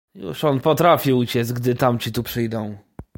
"Już on potrafi uciec, gdy tamci tu przyjdą."